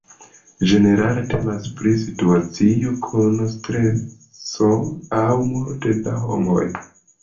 Ĝenerale temas pri situacioj kun streso aŭ multe da homoj.